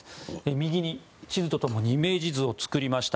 右に地図とともにイメージ図を作りました。